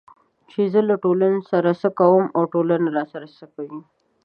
چې زه له ټولنې سره څه کوم او ټولنه راسره څه کوي